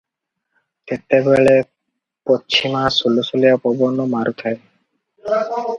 ତେତେବେଳେ ପଛିମା ସୁଲୁସୁଲିଆ ପବନ ମାରୁଥାଏ ।